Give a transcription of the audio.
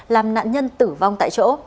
làm nạn nhân tử vong tại chỗ